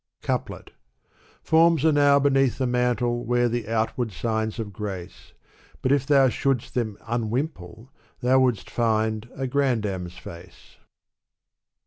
Couplet Forms enow beneath the mantle wear the outward signs of grace; But if thou shouldst them unwimple, thou wouldst find a grandam's fiBu:e.